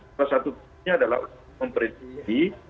salah satunya adalah memperhatikan